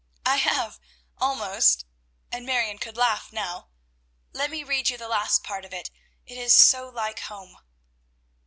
"I have almost," and Marion could laugh now. "Let me read you the last part of it; it is so like home."